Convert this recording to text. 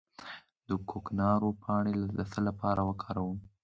د کوکنارو پاڼې د څه لپاره وکاروم؟